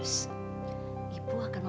siapa dia mak